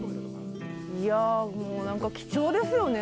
いやもう何か貴重ですよね